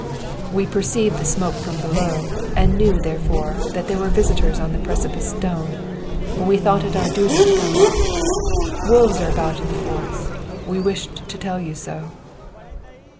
"We perceived the smoke from below, and knew, therefore, that there were visitors on the Precipice Stone. We thought it our duty to come up. Wolves are about in the forest. We wished to tell you so."